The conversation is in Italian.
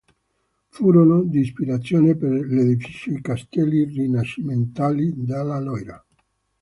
Furono di ispirazione per l'edificio i castelli rinascimentali della Loira.